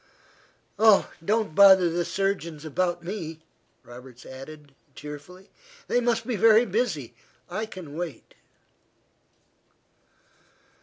"Oh, don't bother the surgeons about me," Roberts added, cheerfully. "They must be very busy. I can wait."